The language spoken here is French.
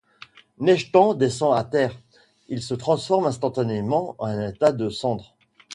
Nechtan descend à terre, il se transforme instantanément en un tas de cendres.